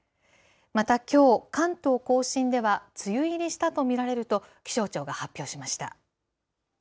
また、きょう、関東甲信では梅雨入りしたと見られると、気象庁が発表しました。